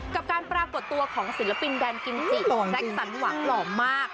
การปรากฏตัวของศิลปินแดนกิมจิแจ็คสันหวังหล่อมาก